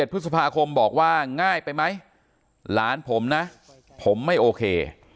พฤษภาคมบอกว่าง่ายไปไหมหลานผมนะผมไม่โอเค